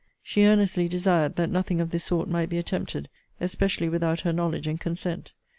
She earnestly desired that nothing of this sort might be attempted, especially without her knowledge and consent.